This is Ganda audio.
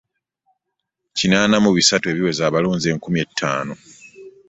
Kinaana mu bisatu ebiweza abalonzi enkumi ttaano